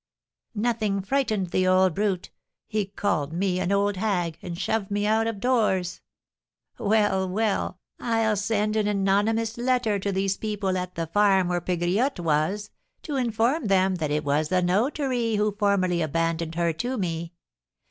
Nothing frightened the old brute, he called me an old hag, and shoved me out of doors. Well, well, I'll send an anonymous letter to these people at the farm where Pegriotte was, to inform them that it was the notary who formerly abandoned her to me.